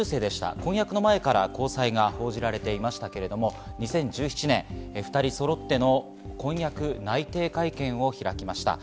婚約前から交際が報じられていましたけれども２０１７年２人そろっての婚約内定会見を開きました。